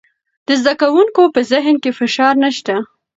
د زده کوونکو په ذهن کې فشار نشته.